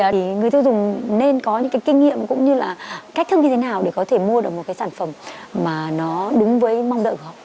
thì người tiêu dùng nên có những cái kinh nghiệm cũng như là cách thức như thế nào để có thể mua được một cái sản phẩm mà nó đúng với mong đợi của họ